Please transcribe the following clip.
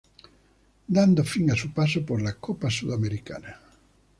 Dando fin a su paso por la Copa Sudamericana.